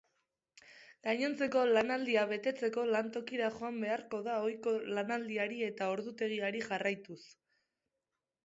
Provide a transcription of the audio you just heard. Gainontzeko lanaldia betetzeko lantokira joan beharko da ohiko lanaldiari eta ordutegiari jarraituz.